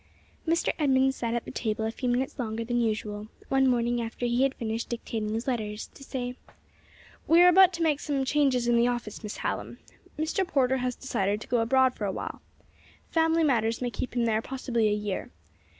Mr. Edmunds sat at the table a few minutes longer than usual, one morning after he had finished dictating his letters, to say: "We are about to make some changes in the office, Miss Hallam. Mr. Porter has decided to go abroad for a while. Family matters may keep him there possibly a year.